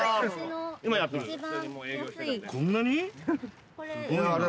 こんなに？